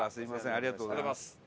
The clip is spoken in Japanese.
ありがとうございます。